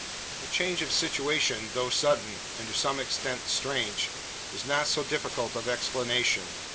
The change of situation though sudden and to some extent strange is not so difficult of explanation.